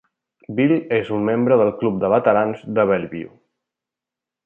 Bill és un membre del club de veterans de Bellevue.